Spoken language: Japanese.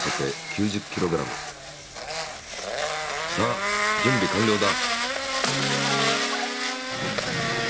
さあ準備完了だ。